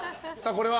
これは？